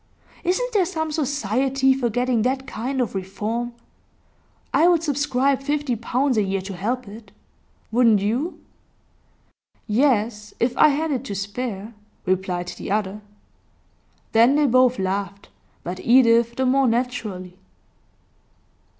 Isn't there some society for getting that kind of reform? I would subscribe fifty pounds a year to help it. Wouldn't you?' 'Yes, if I had it to spare,' replied the other. Then they both laughed, but Edith the more naturally.